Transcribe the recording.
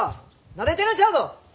なでてるんちゃうぞ！